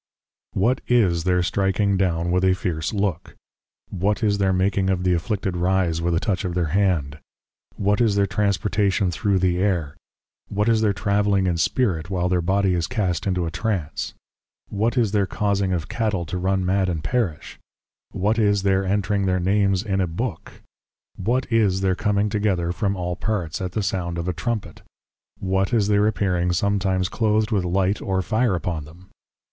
What is their stricking down with a fierce Look? What is their making of the Afflicted Rise, with a touch of their Hand? What is their Transportation thro' the Air? What is their Travelling in Spirit, while their Body is cast into a Trance? What is their causing of Cattle to run mad and perish? What is their Entring their Names in a Book? What is their coming together from all parts, at the Sound of a Trumpet? What is their Appearing sometimes Cloathed with Light or Fire upon them?